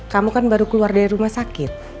kamu kan baru keluar dari rumah sakit